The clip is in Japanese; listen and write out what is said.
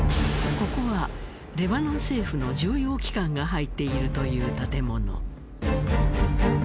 ここはレバノン政府の重要機関が入っているという建物。